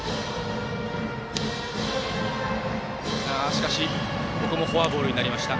しかし、ここもフォアボールになりました。